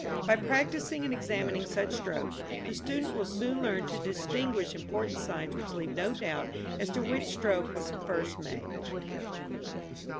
By practising and examining such strokes, the student will soon learn to distinguish important signs which leave no doubt as to which stroke was first made.